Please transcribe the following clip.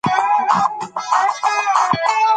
د پښتو ادب په معاصره دوره کې ډېر بدلونونه راغلي دي.